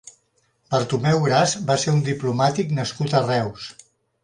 Bartomeu Gras va ser un diplomàtic nascut a Reus.